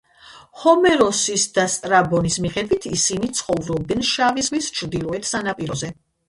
ჰომეროსის და სტრაბონის მიხედვით ისინი ცხოვრობდნენ შავი ზღვის ჩრდილოეთ სანაპიროზე.